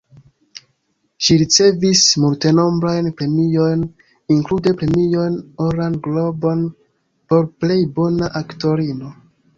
Ŝi ricevis multenombrajn premiojn, inklude Premion Oran Globon por plej bona aktorino.